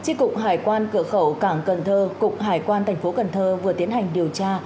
tri cục hải quan cửa khẩu cảng cần thơ cục hải quan thành phố cần thơ vừa tiến hành điều tra